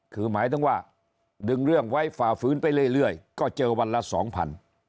คือหมายถึงว่าดึงเรื่องไว้ฝ่าฝืนไปเรื่อยก็เจอวันละสองพัน